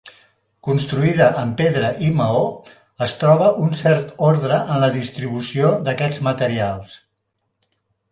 Construïda en pedra i maó, es troba un cert ordre en la distribució d'aquests materials.